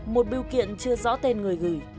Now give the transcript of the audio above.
một biểu kiện chưa rõ tên người gửi